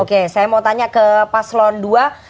oke saya mau tanya ke paslon ii